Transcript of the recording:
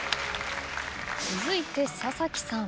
続いて佐々木さん。